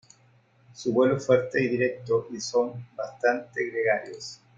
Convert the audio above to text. Su vuelo es fuerte y directo, y son bastante gregarios.